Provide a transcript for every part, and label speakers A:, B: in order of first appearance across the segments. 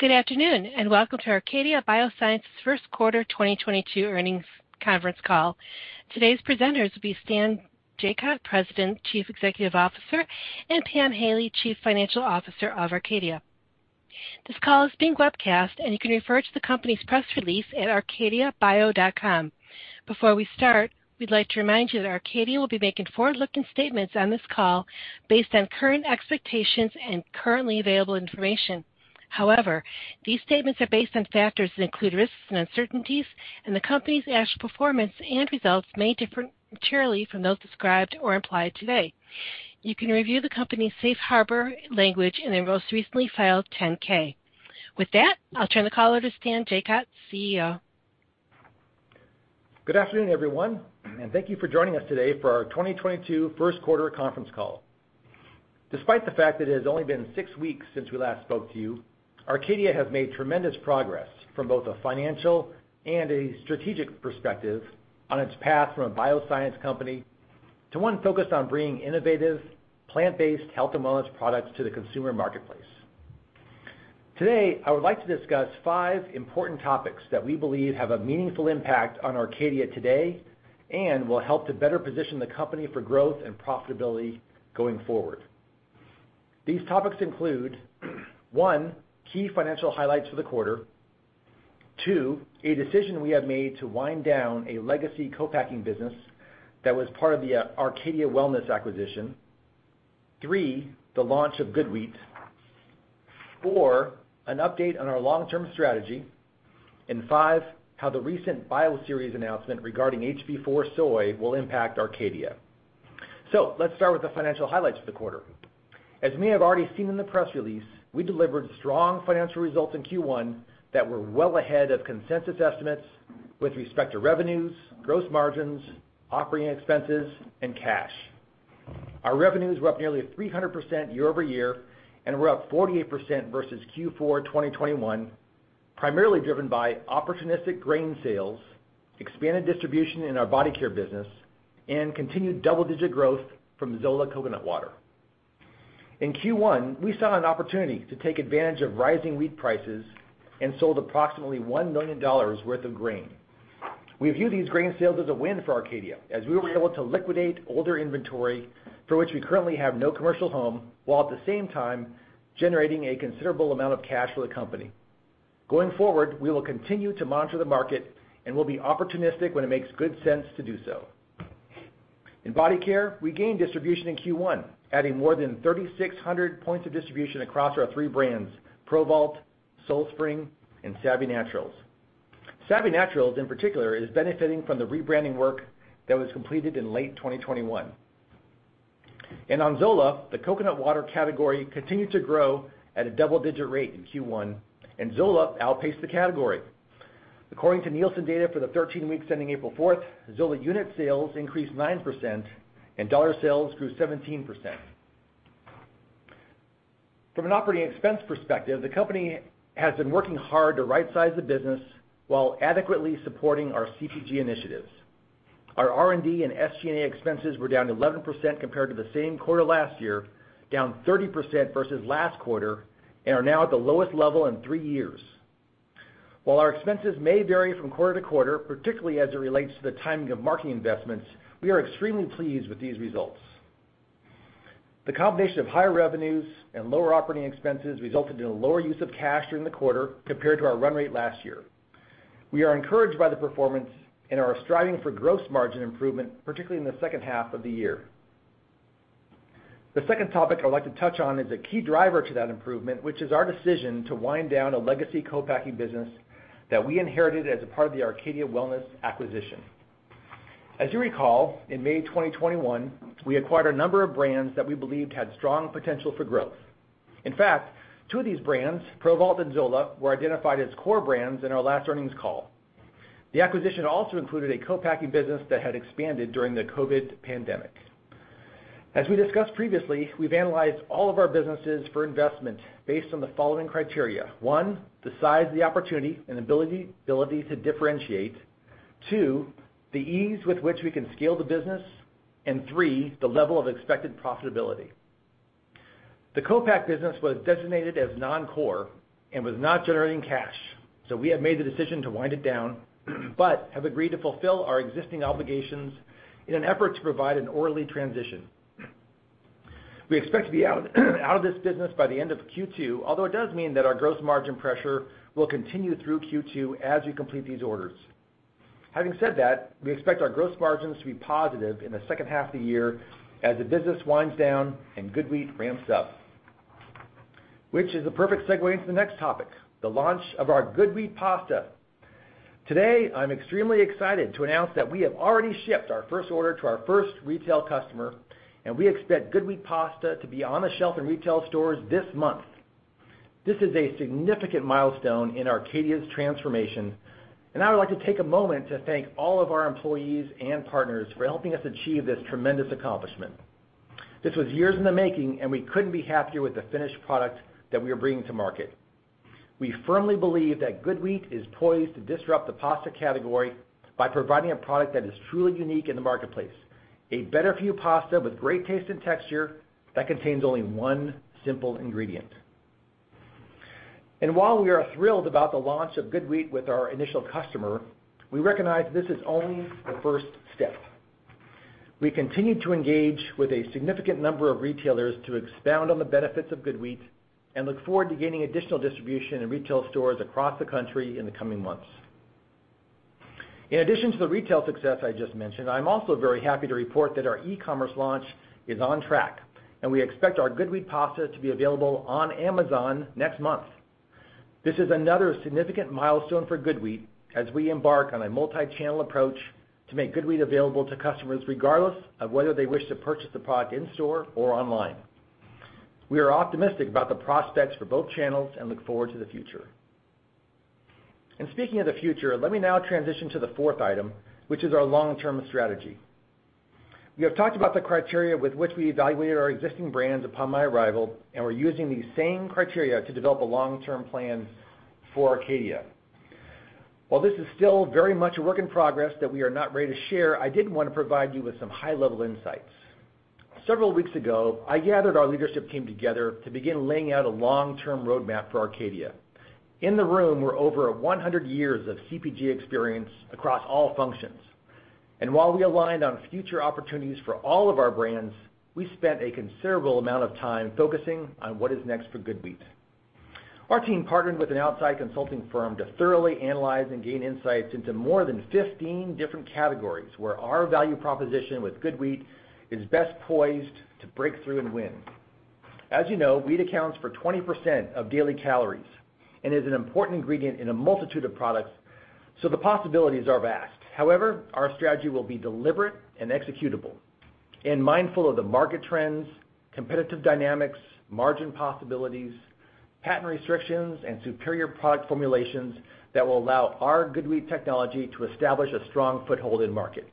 A: Good afternoon, and welcome to Arcadia Biosciences first quarter 2022 earnings conference call. Today's presenters will be Stan Jacot, President, Chief Executive Officer, and Pam Haley, Chief Financial Officer of Arcadia. This call is being webcast, and you can refer to the company's press release at arcadiabio.com. Before we start, we'd like to remind you that Arcadia will be making forward-looking statements on this call based on current expectations and currently available information. However, these statements are based on factors that include risks and uncertainties, and the company's actual performance and results may differ materially from those described or implied today. You can review the company's Safe Harbor language in their most recently filed 10-K. With that, I'll turn the call over to Stan Jacot, CEO.
B: Good afternoon, everyone, and thank you for joining us today for our 2022 first quarter conference call. Despite the fact that it has only been 6 weeks since we last spoke to you, Arcadia has made tremendous progress from both a financial and a strategic perspective on its path from a bioscience company to one focused on bringing innovative plant-based health and wellness products to the consumer marketplace. Today, I would like to discuss five important topics that we believe have a meaningful impact on Arcadia today and will help to better position the company for growth and profitability going forward. These topics include, one, key financial highlights for the quarter. Two, a decision we have made to wind down a legacy co-packing business that was part of the Arcadia Wellness acquisition. Three, the launch of GoodWheat. Four, an update on our long-term strategy. Five, how the recent Bioceres announcement regarding HB4 soy will impact Arcadia. Let's start with the financial highlights for the quarter. As many have already seen in the press release, we delivered strong financial results in Q1 that were well ahead of consensus estimates with respect to revenues, gross margins, operating expenses, and cash. Our revenues were up nearly 300% year-over-year, and were up 48% versus Q4 2021, primarily driven by opportunistic grain sales, expanded distribution in our Body Care business, and continued double-digit growth from Zola coconut water. In Q1, we saw an opportunity to take advantage of rising wheat prices and sold approximately $1 million worth of grain. We view these grain sales as a win for Arcadia as we were able to liquidate older inventory for which we currently have no commercial home, while at the same time generating a considerable amount of cash for the company. Going forward, we will continue to monitor the market and will be opportunistic when it makes good sense to do so. In Body Care, we gained distribution in Q1, adding more than 3,600 points of distribution across our three brands, ProVault, SoulSpring, and Savvy Naturals. Savvy Naturals, in particular, is benefiting from the rebranding work that was completed in late 2021. On Zola, the coconut water category continued to grow at a double-digit rate in Q1, and Zola outpaced the category. According to Nielsen data for the 13 weeks ending April 4th, Zola unit sales increased 9% and dollar sales grew 17%. From an operating expense perspective, the company has been working hard to right size the business while adequately supporting our CPG initiatives. Our R&D and SG&A expenses were down 11% compared to the same quarter last year, down 30% versus last quarter, and are now at the lowest level in three years. While our expenses may vary from quarter to quarter, particularly as it relates to the timing of marketing investments, we are extremely pleased with these results. The combination of higher revenues and lower operating expenses resulted in a lower use of cash during the quarter compared to our run rate last year. We are encouraged by the performance and are striving for gross margin improvement, particularly in the second half of the year. The second topic I'd like to touch on is a key driver to that improvement, which is our decision to wind down a legacy co-packing business that we inherited as a part of the Arcadia Wellness acquisition. As you recall, in May 2021, we acquired a number of brands that we believed had strong potential for growth. In fact, two of these brands, ProVault and Zola, were identified as core brands in our last earnings call. The acquisition also included a co-packing business that had expanded during the COVID pandemic. As we discussed previously, we've analyzed all of our businesses for investment based on the following criteria. One, the size of the opportunity and ability to differentiate. Two, the ease with which we can scale the business. Three, the level of expected profitability. The co-pack business was designated as non-core and was not generating cash, so we have made the decision to wind it down, but have agreed to fulfill our existing obligations in an effort to provide an orderly transition. We expect to be out of this business by the end of Q2, although it does mean that our gross margin pressure will continue through Q2 as we complete these orders. Having said that, we expect our gross margins to be positive in the second half of the year as the business winds down and GoodWheat ramps up. Which is a perfect segue into the next topic, the launch of our GoodWheat pasta. Today, I'm extremely excited to announce that we have already shipped our first order to our first retail customer, and we expect GoodWheat pasta to be on the shelf in retail stores this month. This is a significant milestone in Arcadia's transformation, and I would like to take a moment to thank all of our employees and partners for helping us achieve this tremendous accomplishment. This was years in the making, and we couldn't be happier with the finished product that we are bringing to market. We firmly believe that GoodWheat is poised to disrupt the pasta category by providing a product that is truly unique in the marketplace. A better-for-you pasta with great taste and texture that contains only one simple ingredient. While we are thrilled about the launch of GoodWheat with our initial customer, we recognize this is only the first step. We continue to engage with a significant number of retailers to expound on the benefits of GoodWheat, and look forward to gaining additional distribution in retail stores across the country in the coming months. In addition to the retail success I just mentioned, I'm also very happy to report that our e-commerce launch is on track, and we expect our GoodWheat pasta to be available on Amazon next month. This is another significant milestone for GoodWheat as we embark on a multi-channel approach to make GoodWheat available to customers, regardless of whether they wish to purchase the product in store or online. We are optimistic about the prospects for both channels and look forward to the future. Speaking of the future, let me now transition to the fourth item, which is our long-term strategy. We have talked about the criteria with which we evaluated our existing brands upon my arrival, and we're using these same criteria to develop a long-term plan for Arcadia. While this is still very much a work in progress that we are not ready to share, I did wanna provide you with some high-level insights. Several weeks ago, I gathered our leadership team together to begin laying out a long-term roadmap for Arcadia. In the room were over 100 years of CPG experience across all functions. While we aligned on future opportunities for all of our brands, we spent a considerable amount of time focusing on what is next for GoodWheat. Our team partnered with an outside consulting firm to thoroughly analyze and gain insights into more than 15 different categories where our value proposition with GoodWheat is best poised to break through and win. As you know, wheat accounts for 20% of daily calories and is an important ingredient in a multitude of products, so the possibilities are vast. However, our strategy will be deliberate and executable and mindful of the market trends, competitive dynamics, margin possibilities, patent restrictions, and superior product formulations that will allow our GoodWheat technology to establish a strong foothold in market.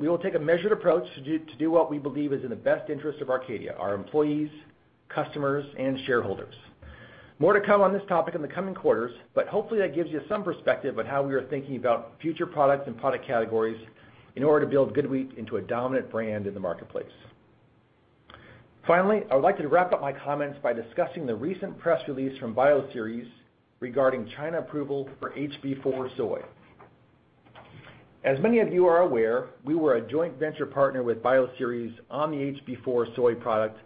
B: We will take a measured approach to do what we believe is in the best interest of Arcadia, our employees, customers, and shareholders. More to come on this topic in the coming quarters, but hopefully, that gives you some perspective on how we are thinking about future products and product categories in order to build GoodWheat into a dominant brand in the marketplace. Finally, I would like to wrap up my comments by discussing the recent press release from Bioceres regarding China approval for HB4 soy. As many of you are aware, we were a joint venture partner with Bioceres on the HB4 soy product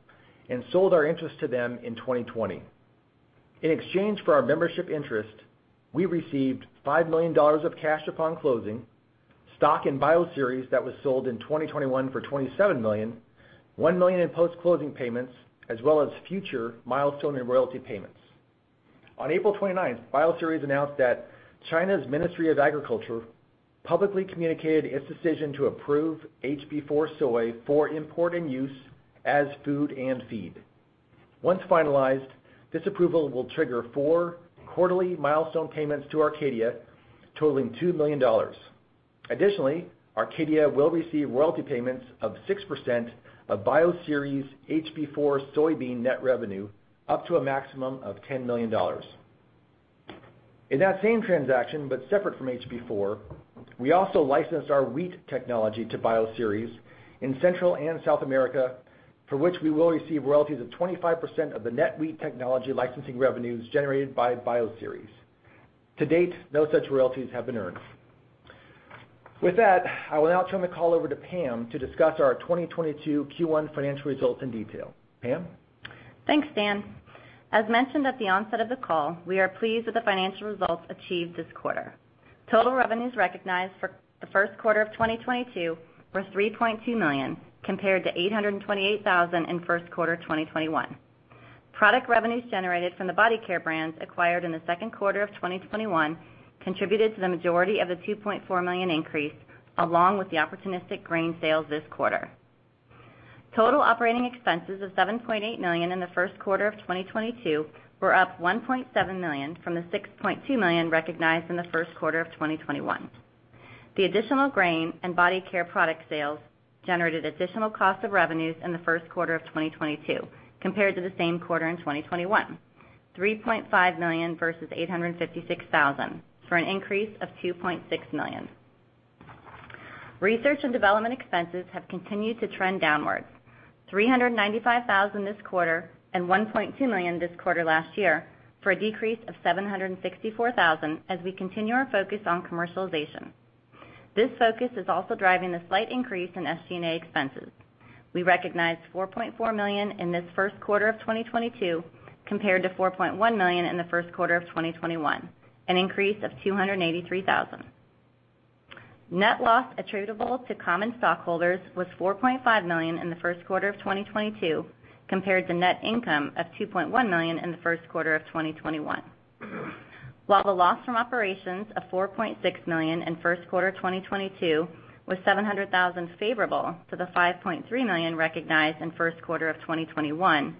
B: and sold our interest to them in 2020. In exchange for our membership interest, we received $5 million of cash upon closing, stock in Bioceres that was sold in 2021 for $27 million, $1 million in post-closing payments, as well as future milestone and royalty payments. On April 29th, Bioceres announced that China's Ministry of Agriculture publicly communicated its decision to approve HB4 soy for import and use as food and feed. Once finalized, this approval will trigger four quarterly milestone payments to Arcadia totaling $2 million. Additionally, Arcadia will receive royalty payments of 6% of Bioceres' HB4 soybean net revenue, up to a maximum of $10 million. In that same transaction, but separate from HB4, we also licensed our wheat technology to Bioceres in Central and South America, for which we will receive royalties of 25% of the net wheat technology licensing revenues generated by Bioceres. To date, no such royalties have been earned. With that, I will now turn the call over to Pam to discuss our 2022 Q1 financial results in detail. Pam?
C: Thanks, Stan. As mentioned at the onset of the call, we are pleased with the financial results achieved this quarter. Total revenues recognized for the first quarter of 2022 were $3.2 million, compared to $828,000 in first quarter 2021. Product revenues generated from the body care brands acquired in the second quarter of 2021 contributed to the majority of the $2.4 million increase, along with the opportunistic grain sales this quarter. Total operating expenses of $7.8 million in the first quarter of 2022 were up $1.7 million from the $6.2 million recognized in the first quarter of 2021. The additional grain and body care product sales generated additional cost of revenues in the first quarter of 2022 compared to the same quarter in 2021. $3.5 million versus $856,000, for an increase of $2.6 million. Research and development expenses have continued to trend downwards. $395,000 this quarter and $1.2 million this quarter last year, for a decrease of $764,000 as we continue our focus on commercialization. This focus is also driving a slight increase in SG&A expenses. We recognized $4.4 million in this first quarter of 2022 compared to $4.1 million in the first quarter of 2021, an increase of $283,000. Net loss attributable to common stockholders was $4.5 million in the first quarter of 2022 compared to net income of $2.1 million in the first quarter of 2021. While the loss from operations of $4.6 million in first quarter 2022 was $700,000 favorable to the $5.3 million recognized in first quarter of 2021,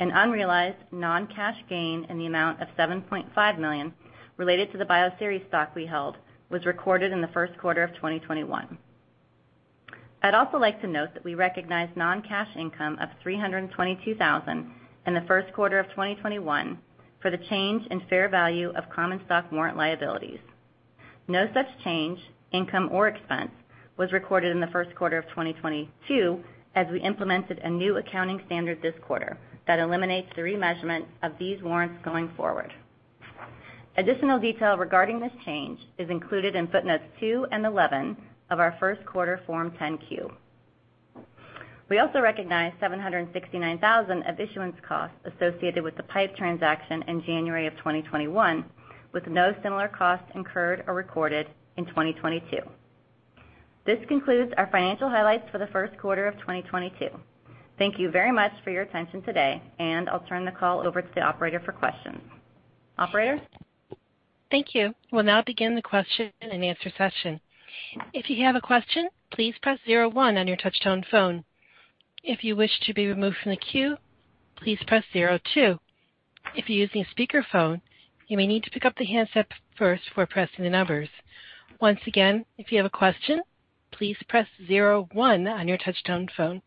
C: an unrealized non-cash gain in the amount of $7.5 million related to the Bioceres stock we held was recorded in the first quarter of 2021. I'd also like to note that we recognize non-cash income of $322,000 In the first quarter of 2021 for the change in fair value of common stock warrant liabilities. No such change, income or expense was recorded in the first quarter of 2022, as we implemented a new accounting standard this quarter that eliminates the remeasurement of these warrants going forward. Additional detail regarding this change is included in footnotes two and 11 of our first quarter Form 10-Q. We also recognized $769,000 of issuance costs associated with the PIPE transaction in January of 2021, with no similar costs incurred or recorded in 2022. This concludes our financial highlights for the first quarter of 2022. Thank you very much for your attention today, and I'll turn the call over to the operator for questions. Operator?
A: Thank you. We'll now begin the question-and-answer session. If you have a question, please press Zero one on your touch-tone phone. If you wish to be removed from the queue, please press Zero two. If you're using a speakerphone, you may need to pick up the handset first before pressing the numbers. Once again, if you have a question, please press Zero one on your touch-tone phone,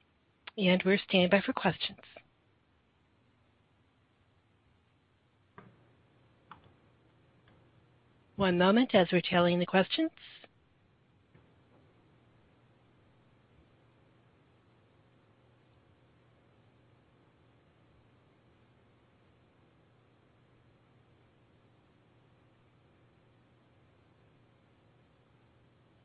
A: and we're standing by for questions. One moment as we're taking the questions.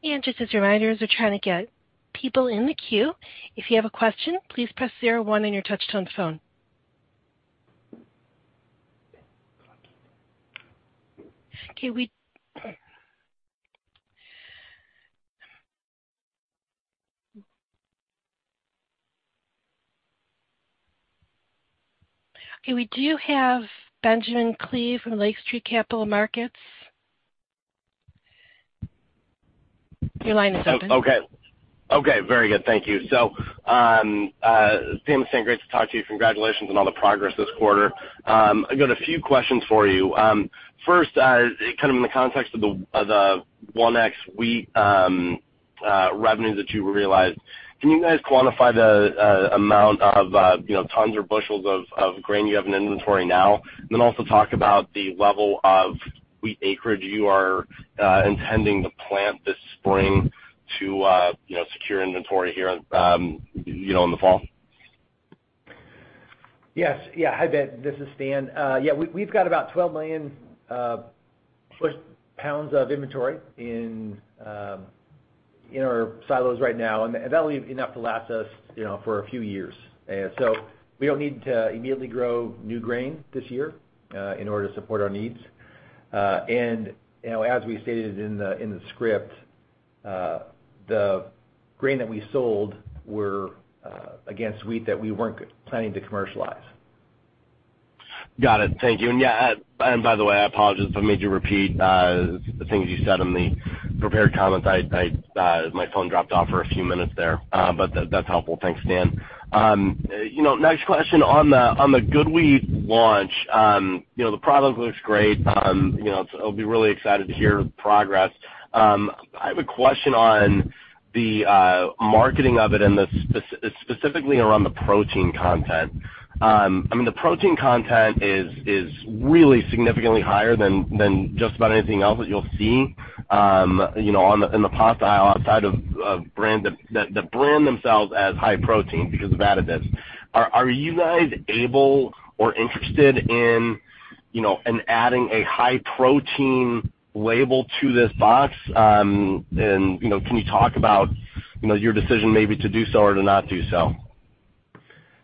A: Just as a reminder, as we're trying to get people in the queue, if you have a question, please press zero one on your touch-tone phone. Okay, we do have Ben Klieve from Lake Street Capital Markets. Your line is open.
D: Okay. Okay, very good. Great to talk to you. Congratulations on all the progress this quarter. I got a few questions for you. First, kind of in the context of the GoodWheat revenue that you realized, can you guys quantify the amount of you know, tons or bushels of grain you have in inventory now? Also talk about the level of wheat acreage you are intending to plant this spring to you know, secure inventory here you know, in the fall.
B: Hi, Ben. This is Stan. We've got about 12 million bushels of inventory in our silos right now, and that'll be enough to last us, you know, for a few years. We don't need to immediately grow new grain this year in order to support our needs. You know, as we stated in the script, the grain that we sold were seed that we weren't planning to commercialize.
D: Got it. Thank you. Yeah, and by the way, I apologize if I made you repeat the things you said in the prepared comments. I, my phone dropped off for a few minutes there. That's helpful. Thanks, Stan. You know, next question on the GoodWheat launch. You know, the product looks great. You know, I'll be really excited to hear progress. I have a question on the marketing of it and specifically around the protein content. I mean, the protein content is really significantly higher than just about anything else that you'll see, you know, in the pasta aisle outside of brands that brand themselves as high protein because of additives. Are you guys able or interested in, you know, in adding a high protein label to this box? You know, can you talk about, you know, your decision maybe to do so or to not do so?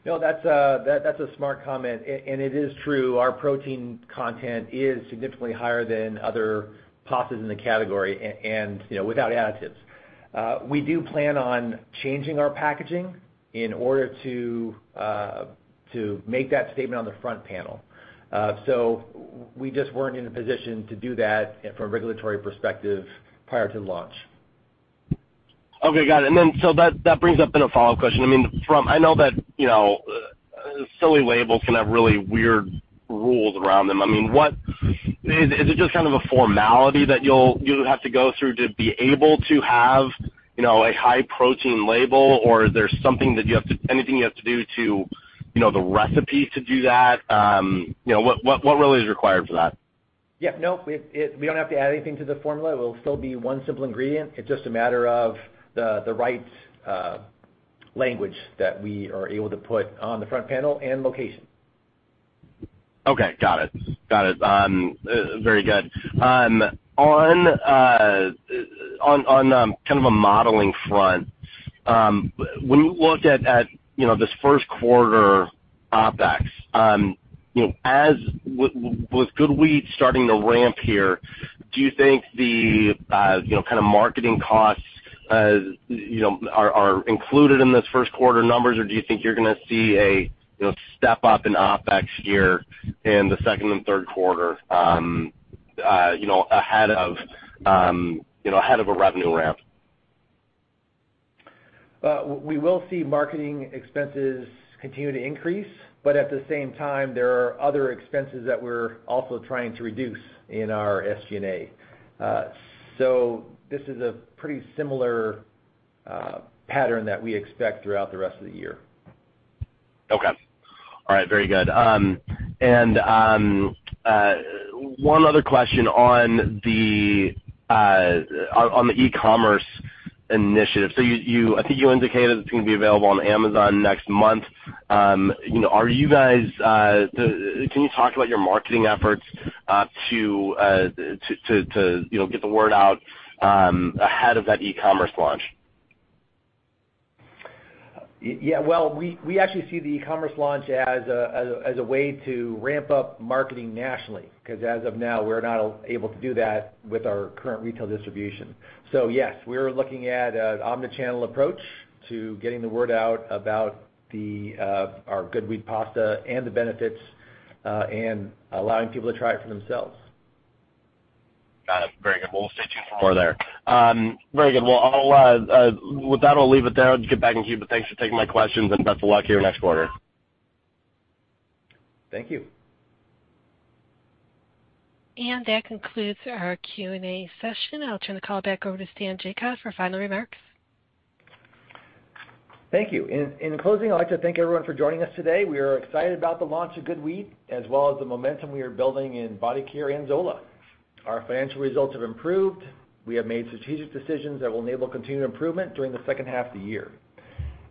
B: No, that's a smart comment. And it is true our protein content is significantly higher than other pastas in the category and, you know, without additives. We do plan on changing our packaging in order to make that statement on the front panel. We just weren't in a position to do that from a regulatory perspective prior to launch.
D: Okay, got it. That brings up a follow-up question. I mean, I know that, you know, silly labels can have really weird rules around them. I mean, is it just kind of a formality that you'll have to go through to be able to have, you know, a high protein label, or is there anything you have to do to, you know, the recipe to do that? You know, what really is required for that?
B: Yeah. No. We don't have to add anything to the formula. It will still be one simple ingredient. It's just a matter of the right language that we are able to put on the front panel and location.
D: Okay, got it. Very good. On kind of a modeling front, when we looked at you know, this first quarter OpEx, you know, as with GoodWheat starting to ramp here, do you think the you know, kind of marketing costs you know, are included in this first quarter numbers, or do you think you're gonna see a you know, step up in OpEx here in the second and third quarter you know, ahead of a revenue ramp?
B: We will see marketing expenses continue to increase, but at the same time, there are other expenses that we're also trying to reduce in our SG&A. This is a pretty similar pattern that we expect throughout the rest of the year.
D: Okay. All right. Very good. One other question on the e-commerce initiative. You I think you indicated it's gonna be available on Amazon next month. You know, are you guys? Can you talk about your marketing efforts to you know, get the word out ahead of that e-commerce launch?
B: Yeah. Well, we actually see the e-commerce launch as a way to ramp up marketing nationally, because as of now, we're not able to do that with our current retail distribution. Yes, we are looking at an omni-channel approach to getting the word out about our GoodWheat pasta and the benefits and allowing people to try it for themselves.
D: Got it. Very good. Well, we'll stay tuned for more there. Very good. Well, with that, I'll leave it there and get back to you. Thanks for taking my questions, and best of luck to your next quarter.
B: Thank you.
A: That concludes our Q&A session. I'll turn the call back over to Stan Jacot for final remarks.
B: Thank you. In closing, I'd like to thank everyone for joining us today. We are excited about the launch of GoodWheat as well as the momentum we are building in body care and Zola. Our financial results have improved. We have made strategic decisions that will enable continued improvement during the second half of the year.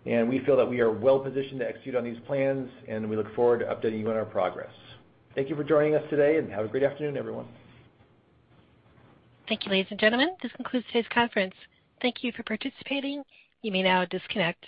B: We feel that we are well-positioned to execute on these plans, and we look forward to updating you on our progress. Thank you for joining us today, and have a great afternoon, everyone.
A: Thank you, ladies and gentlemen. This concludes today's conference. Thank you for participating. You may now disconnect.